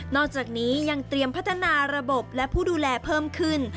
อกจากนี้ยังเตรียมพัฒนาระบบและผู้ดูแลเพิ่มขึ้น